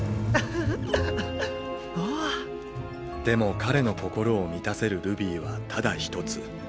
でも彼の心を満たせるルビーはただ一つ。